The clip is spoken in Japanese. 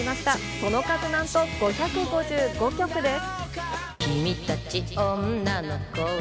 その数なんと、５５５曲です。